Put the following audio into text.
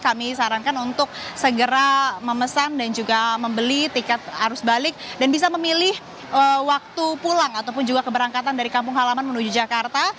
kami sarankan untuk segera memesan dan juga membeli tiket arus balik dan bisa memilih waktu pulang ataupun juga keberangkatan dari kampung halaman menuju jakarta